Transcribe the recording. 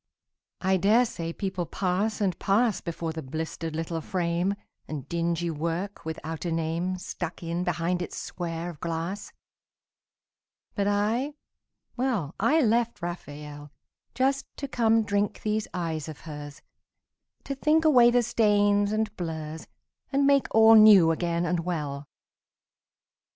I dare say people pass and pass Before the blistered little frame, And dingy work without a name Stuck in behind its square of glass. But I, well, I left Raphael Just to come drink these eyes of hers, To think away the stains and blurs And make all new again and well.